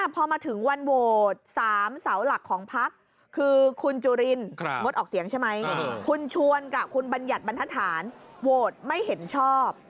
ประหยัดบรรทธาญโหวตไม่เห็นชอบ